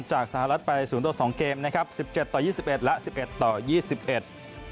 จากสหรัฐไป๐ต่อ๒เกมนะครับ๑๗ต่อ๒๑และ๑๑ต่อ๒๑